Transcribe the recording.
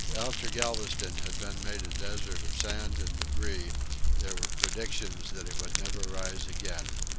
After Galveston had been made a desert of sand and debris, there were predictions that it would never rise again.